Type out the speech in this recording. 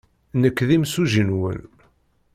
Nekk d imsujji-nwen.